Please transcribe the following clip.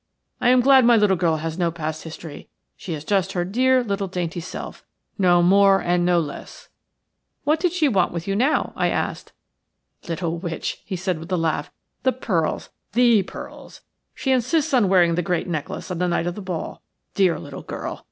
I am glad my little girl has no past history. She is just her dear little, dainty self, no more and no less." "What did she want with you now?" I asked. "Little witch," he said, with a laugh. "The pearls – the pearls. She insists on wearing the great necklace on the night of the ball. Dear little girl.